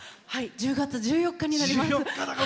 １０月１４日になります。